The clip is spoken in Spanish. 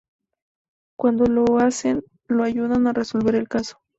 Cuando lo hacen, lo ayuda a resolver el caso.